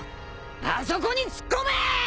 あそこに突っ込め！